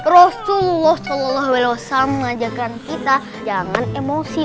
rasulullah saw mengajarkan kita jangan emosi